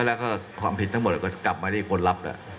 แล้วก็ความผิดทั้งหมดก็กลับมาที่คนรับแล้ว